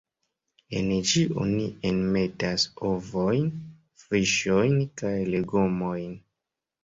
En ĝi oni enmetas ovojn, fiŝojn kaj legomojn.